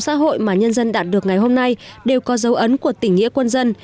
các lĩnh vực sống xã hội mà nhân dân đạt được ngày hôm nay đều có dấu ấn của tỉnh nghĩa quân dân